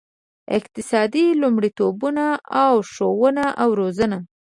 اقتصادي لومړیتوبونه او ښوونه او روزنه.